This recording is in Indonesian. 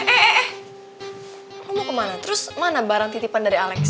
eh eh eh lo mau ke mana terus mana barang titipan dari alex